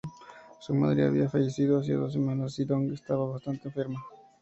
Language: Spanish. Su madre había fallecido hacía dos semanas y Dong estaba bastante enferma.